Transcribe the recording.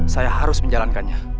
saya harus menjalankannya